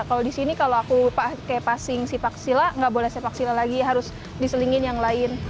kalau disini kalau aku pake passing sipak sila gak boleh sipak sila lagi harus diselingin yang lain